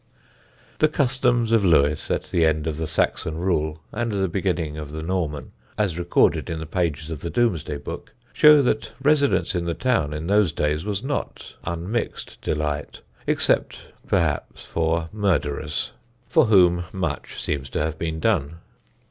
The customs of Lewes at the end of the Saxon rule and the beginning of the Norman, as recorded in the pages of the Domesday Book, show that residence in the town in those days was not unmixed delight, except, perhaps, for murderers, for whom much seems to have been done.